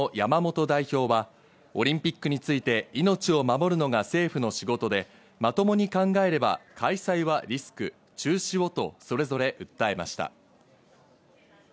れいわ新選組の山本代表は、オリンピックについて命を守るのが政府の仕事で、まともに考えれば、開催はリスク、中止をとそれぞれ訴えました。